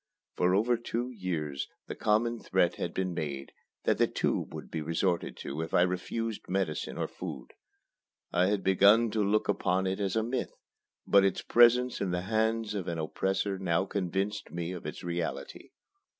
For over two years, the common threat had been made that the "tube" would be resorted to if I refused medicine or food. I had begun to look upon it as a myth; but its presence in the hands of an oppressor now convinced me of its reality.